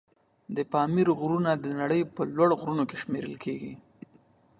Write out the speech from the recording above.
د پامیر غرونه د نړۍ په لوړ غرونو کې شمېرل کېږي.